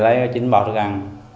chạy ngang qua đầu cộng miếu hưng